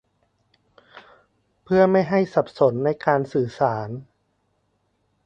เพื่อไม่ให้สับสนในการสื่อสาร